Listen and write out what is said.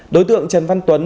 đối tượng trần văn tuấn